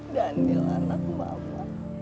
daniel anakku mama